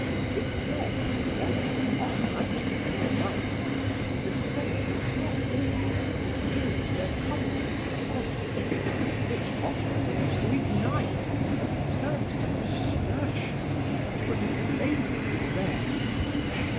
If red and yellow are heightened by light, the same does not always hold true of their compound, orange, which often seems to ignite and turns to nasturtium, to a flaming red.